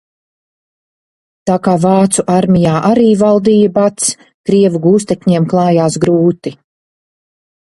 Tā kā vācu armijā arī valdīja bads, krievu gūstekņiem klājās grūti.